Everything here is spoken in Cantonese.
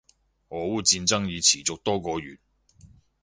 俄烏戰爭已持續多個月